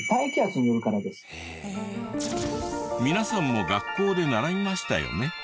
皆さんも学校で習いましたよね？